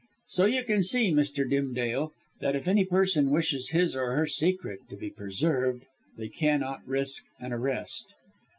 So you can see, Mr. Dimsdale, that if any person wishes his or her secret to be preserved they cannot risk an arrest.